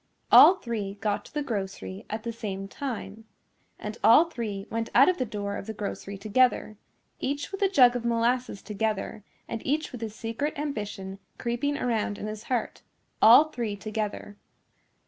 All three got to the grocery at the same time. And all three went out of the door of the grocery together, each with a jug of molasses together and each with his secret ambition creeping around in his heart, all three together.